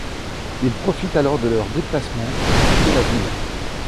Ils profitent alors de leur déplacement pour visiter la ville.